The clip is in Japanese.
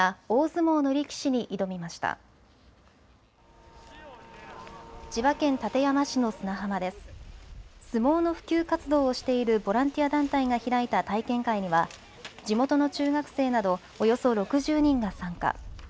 相撲の普及活動をしているボランティア団体が開いた体験会には地元の中学生などおよそ６０人が参加。